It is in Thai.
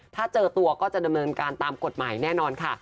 ถ้าเจอตัวก็จะดำเนินการตามกฎหมายแน่นอนค่ะ